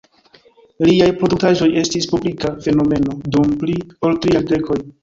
Liaj produktaĵoj estis publika fenomeno dum pli ol tri jardekoj.